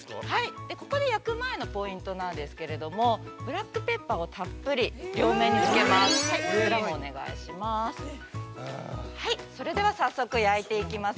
◆焼く前のポイントなんですけれども、ブラックペッパーをたっぷり両面にかけます。